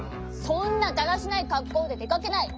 そんなだらしないかっこうででかけない。